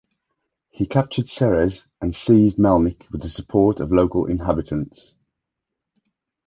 He captured Serres and seized Melnik with the support of the local inhabitants.